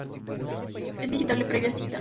Es visitable previa cita.